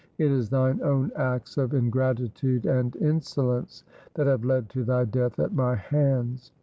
It is thine own acts of in gratitude and insolence that have led to thy death at my hands.